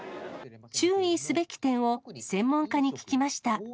注意すべき点を専門家に聞きました。